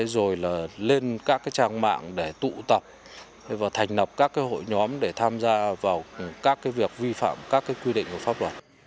rồi là lên các trang mạng để tụ tập và thành lập các hội nhóm để tham gia vào các việc vi phạm các quy định của pháp luật